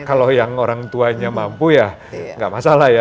kalau yang orang tuanya mampu ya nggak masalah ya